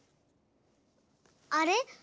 あれ？